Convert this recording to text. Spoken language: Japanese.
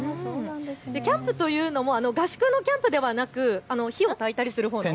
キャンプというのも合宿のキャンプではなく火をたいたりするほうですね。